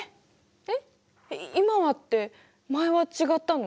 えっ今はって前は違ったの？